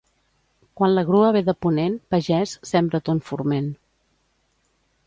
Quan la grua ve de ponent, pagès, sembra ton forment.